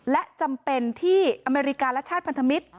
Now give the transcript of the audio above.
และจำเป็นที่อเมริกาและชาติพันธมิตร